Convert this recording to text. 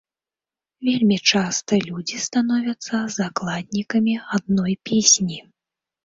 Вельмі часта людзі становяцца закладнікамі адной песні.